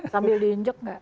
sambil diunjuk nggak